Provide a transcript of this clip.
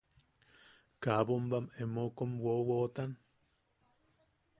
–¿Kaa bombam emeu kom wowotan?